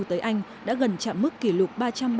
tới anh đã gần chạm mức kỷ lục